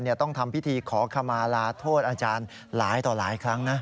ต้องทำพิธีขอขมาลาโทษอาจารย์หลายต่อหลายครั้งนะ